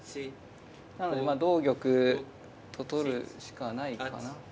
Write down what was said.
なので同玉と取るしかないかな。